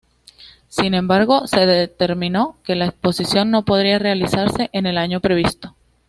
Sin embargo, se determinó que la exposición no podría realizarse en el año previsto.